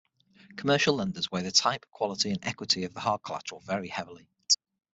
Commercial lenders weigh the type, quality, and equity of the hard collateral very heavily.